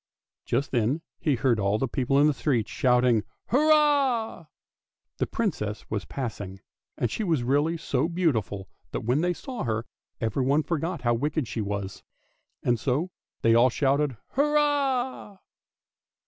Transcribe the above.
" Just then they heard all the people in the streets shouting " Hurrah! " The Princess was passing, and she was really so beautiful that when they saw her 374 ANDERSEN'S FAIRY TALES everybody forgot how wicked she was, and so they all shouted " Hurrah."